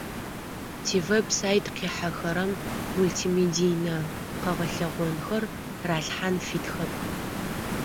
Тивеб-сайт къихьэхэрэм мултимедийнэ къэгъэлъэгъонхэр ралъхьан фитхэп.